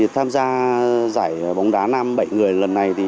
tham gia giải bóng đá nam bảy người lần này